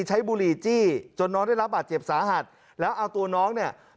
บุหรี่จี้จนน้องได้รับบาดเจ็บสาหัสแล้วเอาตัวน้องเนี่ย